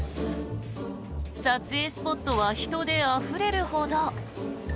撮影スポットは人であふれるほど。